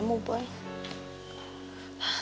semoga allah mendengarkan doa kita ya nak